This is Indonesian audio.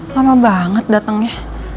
lama banget datangnya